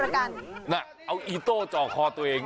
นั่นเอาอีโตกรคอตัวเอง